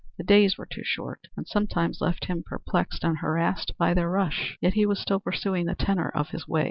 The days were too short, and sometimes left him perplexed and harassed by their rush; yet he was still pursuing the tenor of his way.